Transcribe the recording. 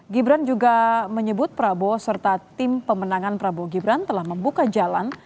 gibran juga menyebut prabowo serta tim pemenangan prabowo gibran telah membuka jalan